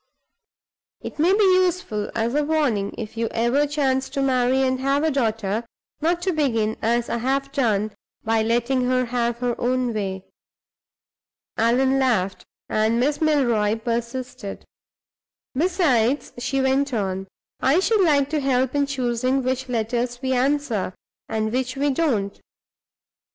"It may be useful as a warning, if you ever chance to marry and have a daughter, not to begin, as I have done, by letting her have her own way." Allan laughed, and Miss Milroy persisted. "Besides," she went on, "I should like to help in choosing which letters we answer, and which we don't.